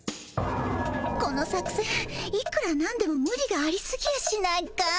この作せんいくらなんでもムリがありすぎやしないかい？